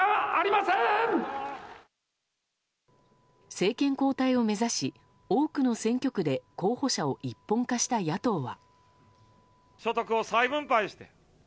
政権交代を目指し多くの選挙区で候補者を一本化した野党は。